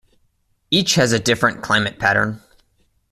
Each has a different climate pattern.